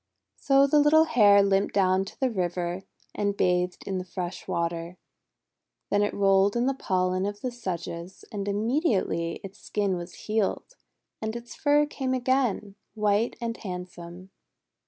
So the little Hare limped down to the river, and bathed in fresh water. Then it rolled in the pollen of the sedges; and immediately its skin was healed, and its fur came again, white and handsome.